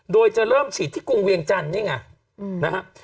โดยจะเริ่มฉีดที่กรุงเวียงจันทร์นี่ไงนะครับ